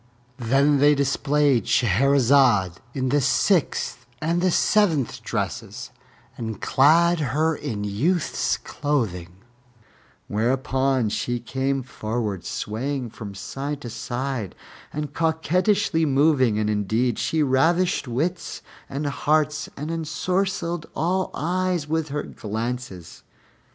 Then they displayed Shahrazad in the sixth and seventh dresses and clad her in youth's clothing, whereupon she came forward swaying from side to side, and coquettishly moving, and indeed she ravished wits and hearts and ensorcelled all eyes with her glances.